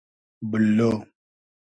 بوللۉ